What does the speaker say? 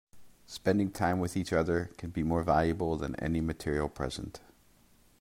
Spending time with each other can be more valuable than any material present.